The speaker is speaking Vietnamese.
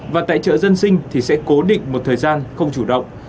và tại chợ dân sinh thì sẽ cố định một thời gian không chủ động